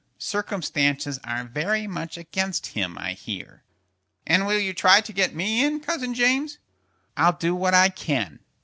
Circumstances are very much against him, I hear." "And will you try to get me in, Cousin James?" "I'll do what I can.